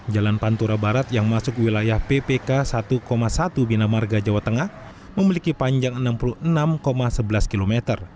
jalan pantura barat yang masuk wilayah ppk satu satu bina marga jawa tengah memiliki panjang enam puluh enam sebelas km